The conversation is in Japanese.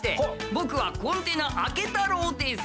僕はコンテナあけ太郎です。